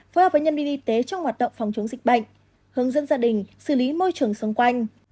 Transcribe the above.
phối hợp với nhân viên y tế trong hoạt động phòng chống dịch bệnh hướng dẫn gia đình xử lý môi trường xung quanh